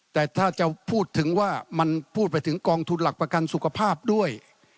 แต่ถ้าจะพูดถึงว่ามันพูดไปถึงกองทุนหลักประกันสุขภาพด้วย